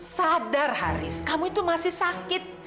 sadar haris kamu itu masih sakit